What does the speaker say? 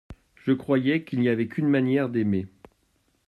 Je croyais qu’il n’y avait qu’une manière d’aimer.